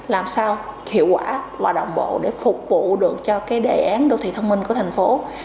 làm sao hiệu quả và đồng bộ để phục vụ được cho cái đề án đô thị thông minh của thành phố